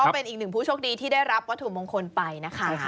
เป็นอีกหนึ่งผู้โชคดีที่ได้รับวัตถุมงคลไปนะคะ